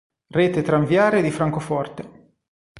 Rete tranviaria di Francoforte